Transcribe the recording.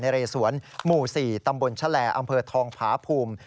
เรสวนหมู่๔ตำบลชะแลอำเภอทองผาภูมิ